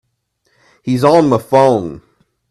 He's on my phone.